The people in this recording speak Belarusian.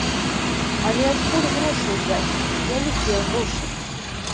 Але адкуль грошы ўзяць, вялікія грошы?